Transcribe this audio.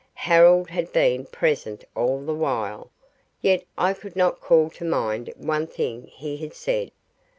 Harold had been present all the while, yet I could not call to mind one thing he had said.